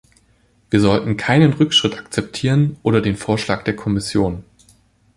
Wir sollten keinen Rückschritt akzeptieren, oder den Vorschlag der Kommission.